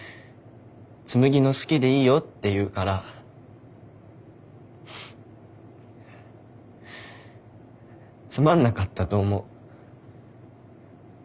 紬の好きでいいよって言うからつまんなかったと思う。